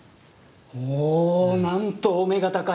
おなんとお目が高い！